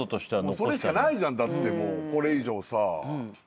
それしかないじゃんだってもうこれ以上さ。